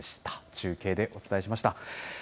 中継でお伝えしました。